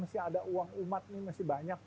masih ada uang umat ini masih banyak